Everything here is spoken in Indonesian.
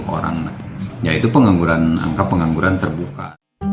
satu ratus dua sepuluh orang yaitu angka pengangguran terbuka